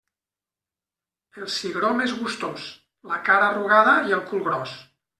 El cigró més gustós: la cara arrugada i el cul gros.